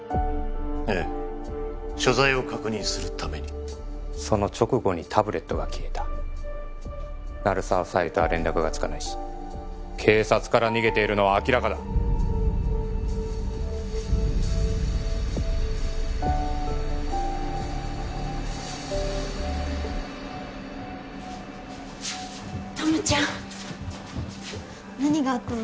ええ所在を確認するためにその直後にタブレットが消えた鳴沢夫妻とは連絡がつかないし警察から逃げているのは明らかだ友ちゃん何があったの？